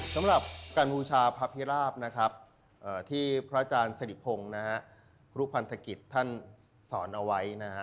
สำหรับการบูชาพระพิราพย์ที่พระอาจารย์สริพงศ์ครูพันธกิจท่านสอนเอาไว้